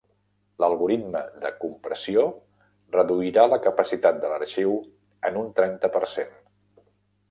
L'algoritme de compressió reduirà la capacitat de l'arxiu en un trenta per cent.